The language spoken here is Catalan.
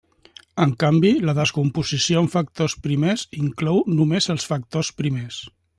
En canvi la descomposició en factors primers inclou només els factors primers.